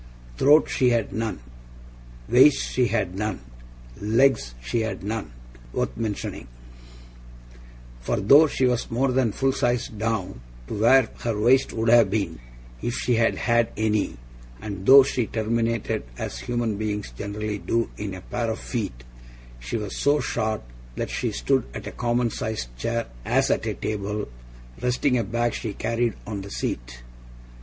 Throat she had none; waist she had none; legs she had none, worth mentioning; for though she was more than full sized down to where her waist would have been, if she had had any, and though she terminated, as human beings generally do, in a pair of feet, she was so short that she stood at a common sized chair as at a table, resting a bag she carried on the seat.